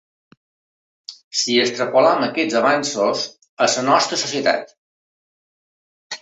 Si extrapolem aquests avenços a la nostra societat.